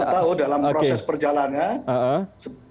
kita tahu dalam proses perjalanan